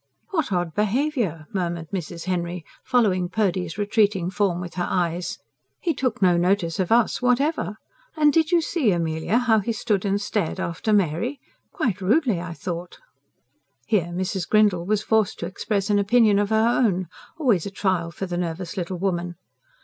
"What odd behaviour!" murmured Mrs. Henry, following Purdy's retreating form with her eyes. "He took no notice of us whatever. And did you see, Amelia, how he stood and stared after Mary? Quite rudely, I thought." Here Mrs. Grindle was forced to express an opinion of her own always a trial for the nervous little woman.